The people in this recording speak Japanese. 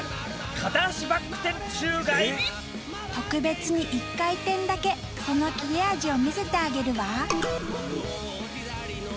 特別に１回転だけその切れ味を見せてあげるわ。